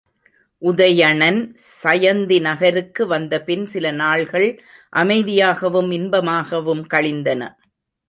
உதயணன் சயந்தி நகருக்கு வந்தபின் சில நாள்கள் அமைதியாகவும் இன்பமாகவும் கழிந்தன.